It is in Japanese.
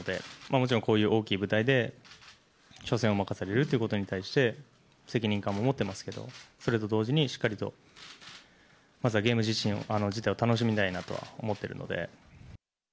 もちろんこういう大きい舞台で、初戦を任されるということに対して、責任感も持ってますけど、それと同時にしっかりとまずはゲーム自体を楽しみたいなと思ってるので。